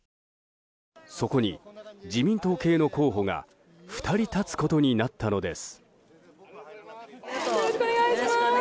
そこに自民党系の候補が２人立つことになったのです。